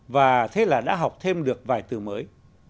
và thế là đã học thêm được vài từ mới